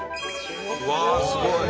うわすごい。